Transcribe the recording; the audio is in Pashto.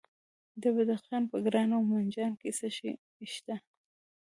د بدخشان په کران او منجان کې څه شی شته؟